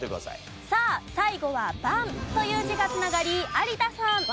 さあ最後は「番」という字が繋がり有田さん。